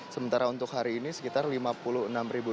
sementara untuk hari ini sekitar lima puluh enam ribu